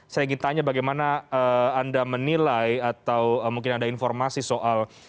saya ingin tanya bagaimana anda menilai atau mungkin ada informasi soal